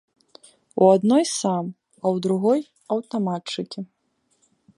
У адной сам, а ў другой аўтаматчыкі.